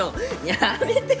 やめて！